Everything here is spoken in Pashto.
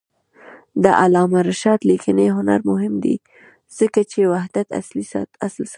د علامه رشاد لیکنی هنر مهم دی ځکه چې وحدت اصل ساتي.